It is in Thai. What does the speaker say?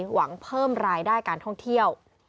หวังเพิ่มรายได้การท่องเที่ยว